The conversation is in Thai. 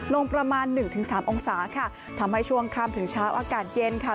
ลงประมาณ๑๓องศาค่ะทำให้ช่วงคำถึงเช้าอากาศเย็นค่ะ